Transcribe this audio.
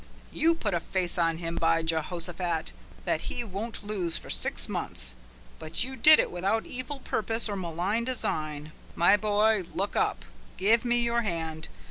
You put a face on him, by Jehoshaphat! that he won't lose for six months, but you did it without evil purpose or malign design. My boy, look up! Give me your hand!